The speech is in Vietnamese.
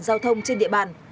giao thông trên địa bàn